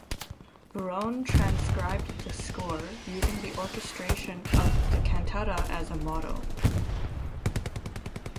Brohn transcribed the score, using the orchestration of the cantata as a model.